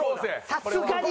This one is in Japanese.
さすがに！